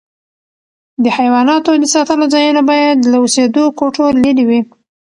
د حیواناتو د ساتلو ځایونه باید له اوسېدو کوټو لیري وي.